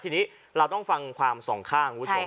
ทีนี้เราต้องฟังความส่องข้าง